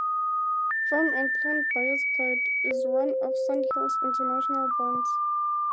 "Farm and Plant Buyers Guide" is, one of Sandhills' international brands.